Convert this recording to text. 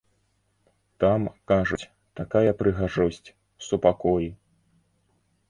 Там, кажуць, такая прыгажосць, супакой.